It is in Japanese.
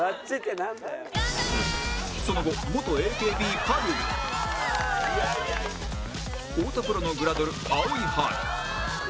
その後元 ＡＫＢ ぱるる太田プロのグラドル青井春